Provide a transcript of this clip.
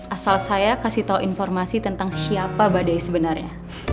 asal saya kasih tahu informasi tentang siapa badai sebenarnya